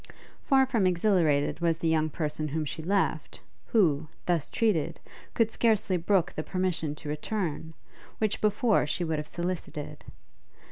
Far from exhilarated was the young person whom she left, who, thus treated, could scarcely brook the permission to return, which before she would have solicited.